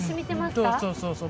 そうそうそうそう。